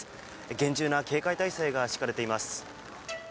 厳重な警戒態勢が敷かれています。